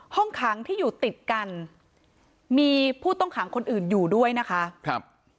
ห้องขังที่อยู่ติดกันมีผู้ต้องขังคนอื่นอยู่ด้วยนะคะครับ